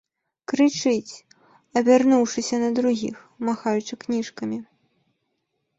Крычыць, абярнуўшыся да другіх, махаючы кніжкамі.